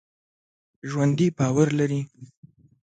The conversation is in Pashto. ژوندي باور لري